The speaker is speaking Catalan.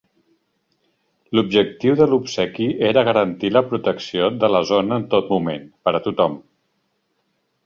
L"objectiu de l'obsequi era garantir la protecció de la zona en tot moment, per a tothom.